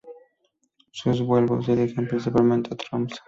Sus vuelos se dirigen principalmente a Tromsø.